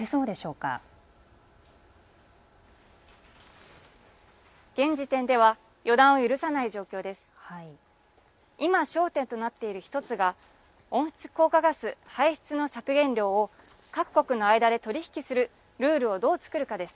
今、焦点となっている１つが温室効果ガス排出の削減量を各国の間で取り引きするルールをどう作るかです。